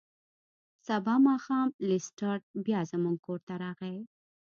سبا ماښام لیسټرډ بیا زموږ کور ته راغی.